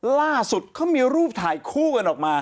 ล่าสุดเขามีรูปถ่ายคู่กันออกมา